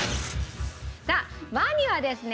さあワニはですね